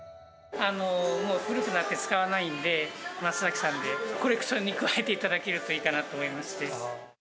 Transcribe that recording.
古くなって使わないんで、松崎さんで、コレクションに加えていただけるといいかなと思いまして。